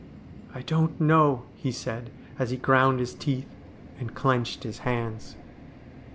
' I don't know,' he said, as he ground his teeth and clenched his hands.